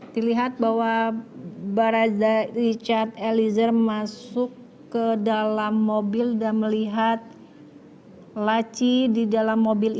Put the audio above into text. dilihat bahwa barada richard eliezer masuk ke dalam mobil dan melihat laci di dalam mobil